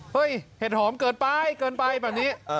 เห็ดหอมเกินไปเกินไปแบบนี้